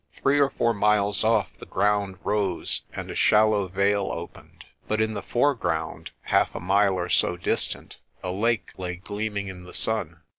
Three or four miles off the ground rose, and a shallow vale opened. But in the foreground, half a mile or so distant, a lake lay gleaming in the sun.